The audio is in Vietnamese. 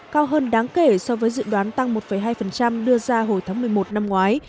cao hơn đáng kể so với dự đoán tăng một hai đưa ra hồi tháng một mươi một năm ngoái